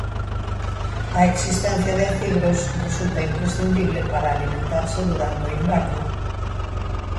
A existencia de acivros resulta imprescindible para alimentarse durante o inverno.